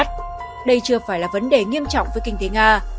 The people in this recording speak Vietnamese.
đây chưa phải là vấn đề nghiêm trọng với kinh tế nga